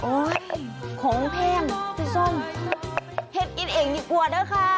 โอ้ยของแพงสีส้มเห็นกินเองดีกว่าด้วยค่ะ